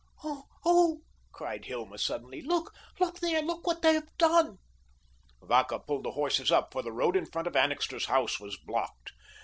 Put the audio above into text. "Oh, oh," cried Hilma suddenly, "look, look there. Look what they have done." Vacca pulled the horses up, for the road in front of Annixter's house was blocked.